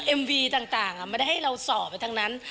เอ็มวีต่างไม่ได้ให้เราสอบไปทั้งนั้น